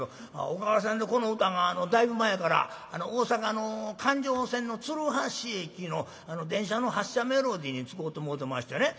おかげさんでこの歌がだいぶ前から大阪の環状線の鶴橋駅の電車の発車メロディーに使うてもろうてましてね